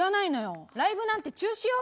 ライブなんて中止よ。